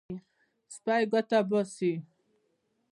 سپی ګوته باسي.